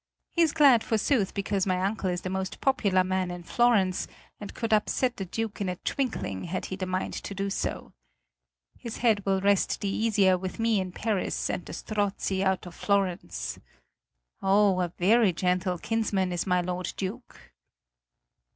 He's glad forsooth because my uncle is the most popular man in Florence, and could upset the Duke in a twinkling had he the mind to do so. His head will rest the easier with me in Paris and the Strozzi out of Florence. Oh, a very gentle kinsman is my lord Duke."